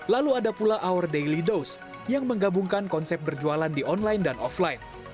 lalu ada pula our daily dose yang menggabungkan konsep berjualan di online dan offline